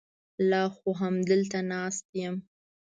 لا خو همدلته ناست یم.